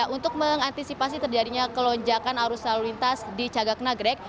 untuk mengantisipasi terjadinya kelonjakan arus lalu lintas di cagak nagrek